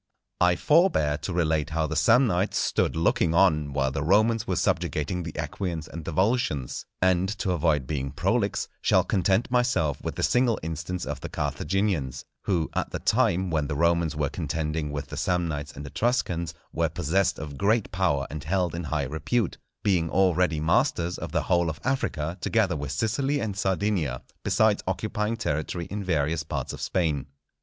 I forbear to relate how the Samnites stood looking on while the Romans were subjugating the Equians and the Volscians; and, to avoid being prolix, shall content myself with the single instance of the Carthaginians, who, at the time when the Romans were contending with the Samnites and Etruscans, were possessed of great power and held in high repute, being already masters of the whole of Africa together with Sicily and Sardinia, besides occupying territory in various parts of Spain.